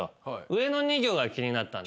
上の２行が気になったんで。